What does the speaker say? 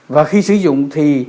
và khi sử dụng thì